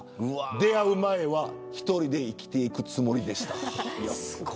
出会う前は１人で生きていくつもりでした。